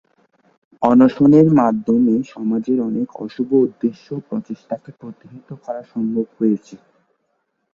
অনশনের মাধ্যমে সমাজের অনেক অশুভ উদ্দেশ্য ও প্রচেষ্টাকে প্রতিহত করা সম্ভব হয়েছে।